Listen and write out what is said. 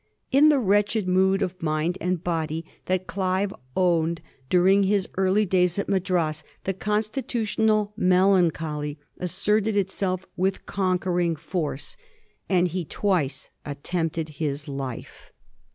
In the wretched mood of mind and body that Olive owned during his early days at Madras the constitutional melancholy asserted itself with conquering force, and he 1707. THE FALL OF THE HOUSE OF BABER. 257 twice attempted his life.